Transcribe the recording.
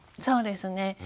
そうですね。